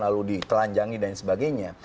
lalu ditelanjangi dan sebagainya